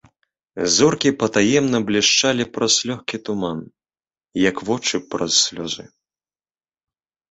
Зоркі патаемна блішчалі праз лёгкі туман, як вочы праз слёзы.